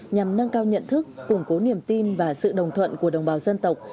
nhằm nâng cao nhận thức củng cố niềm tin và sự đồng thuận của đồng bào dân tộc